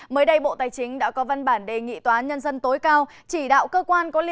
mới đây bộ tài chính đã có văn bản đề nghị tóa nhân dân tối cao